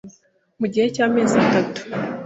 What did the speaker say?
mu gihe cy’amezi atatu